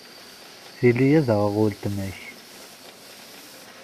Tili ad aɣeɣ weltma-k.